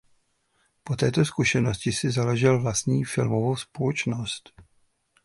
Po této zkušenosti si založil vlastní filmovou společnost.